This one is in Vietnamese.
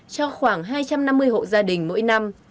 cho khoảng hai trăm năm mươi hộ gia đình mỗi năm